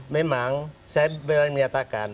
memang saya menyatakan